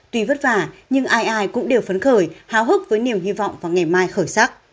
tuy vất vả nhưng ai ai cũng đều phấn khởi hào hức với niềm hy vọng vào ngày mai khởi sắc